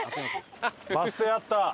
バス停あった！